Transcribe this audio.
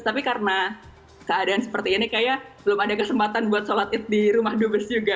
tapi karena keadaan seperti ini kayaknya belum ada kesempatan buat sholat id di rumah dubes juga